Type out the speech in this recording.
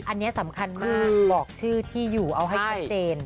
อันนี้สำคัญมากบอกชื่อที่อยู่เอาให้ชัดเจน